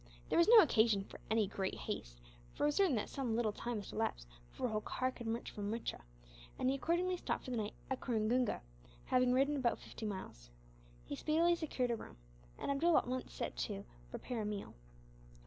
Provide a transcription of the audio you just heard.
There was no occasion for any great haste, for it was certain that some little time must elapse before Holkar could march from Muttra; and he accordingly stopped for the night at Coringunga, having ridden about fifty miles. He speedily secured a room, and Abdool at once set to, to prepare a meal.